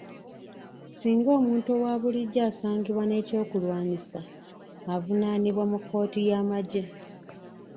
Ssinga omuntu owa bulijjo asangibwa n'ekyokulwanyisa, avunaanibwa mu kkooti y'amagye.